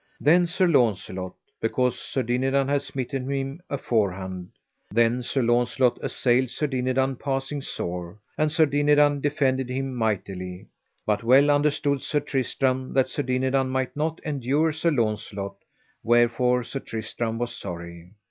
Then Sir Launcelot, because Sir Dinadan had smitten him aforehand, then Sir Launcelot assailed Sir Dinadan passing sore, and Sir Dinadan defended him mightily. But well understood Sir Tristram that Sir Dinadan might not endure Sir Launcelot, wherefore Sir Tristram was sorry.